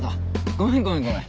ごめんごめんごめん。